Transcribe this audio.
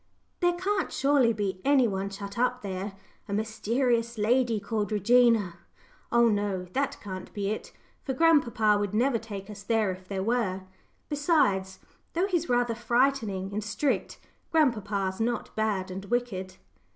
"There can't surely be any one shut up there a mysterious lady called 'Regina.' Oh, no, that can't be it, for grandpapa would never take us there if there were. Besides though he's rather frightening and strict grandpapa's not bad and wicked."